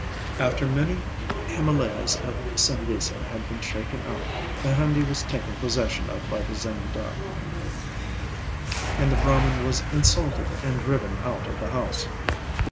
After many Himalayas of sandesa had been shaken out, the handi was taken possession of by the Zemindar, and the Brahman was insulted and driven out of the house.